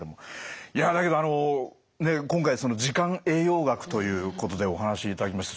いやだけどあの今回時間栄養学ということでお話しいただきました。